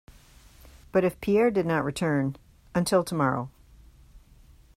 But if Pierre did not return, until tomorrow.